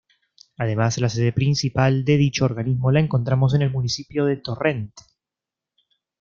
Además, la sede principal de dicho organismo la encontramos en el municipio de Torrent.